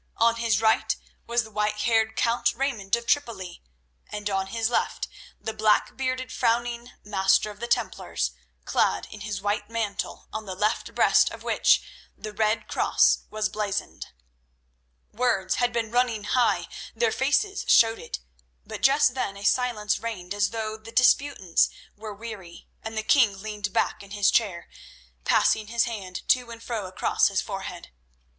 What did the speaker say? On his right was the white haired Count Raymond of Tripoli, and on his left the black bearded, frowning Master of the Templars, clad in his white mantle on the left breast of which the red cross was blazoned. Words had been running high, their faces showed it, but just then a silence reigned as though the disputants were weary, and the king leaned back in his chair, passing his hand to and fro across his forehead.